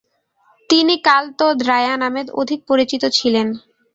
তিনি কাল ত. দ্রায়া নামে অধিক পরিচিত ছিলেন।